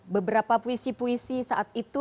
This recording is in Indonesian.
beberapa puisi puisi saat itu